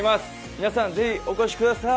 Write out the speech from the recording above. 皆さんぜひお越しください！